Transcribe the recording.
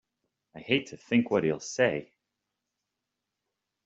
I hate to think what he'll say!